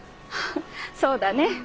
そうだね」。